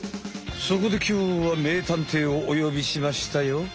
そこできょうは名探偵をおよびしましたよ！